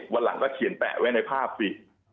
วันหลังก็เขียนแปะไว้ในภาพสิ